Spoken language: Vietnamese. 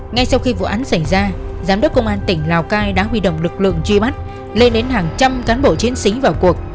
ngay sau khi vụ án xảy ra giám đốc công an tỉnh lào cai đã huy động lực lượng truy bắt lên đến hàng trăm cán bộ chiến sĩ vào cuộc